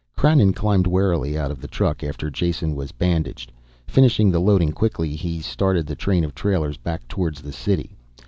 Krannon climbed warily out of the truck, after Jason was bandaged. Finishing the loading quickly, he started the train of trailers back towards the city.